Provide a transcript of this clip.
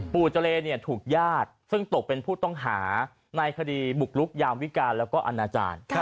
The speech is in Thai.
เจรถูกญาติซึ่งตกเป็นผู้ต้องหาในคดีบุกลุกยามวิการแล้วก็อนาจารย์